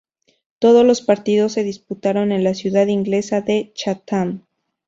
Todos los partidos se disputaron en la ciudad inglesa de Chatham.